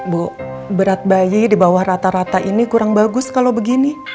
bu berat bayi di bawah rata rata ini kurang bagus kalau begini